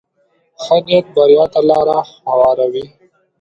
ښه نیت بریا ته لاره هواروي.